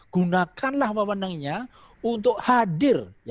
gunakanlah papanangnya untuk hadir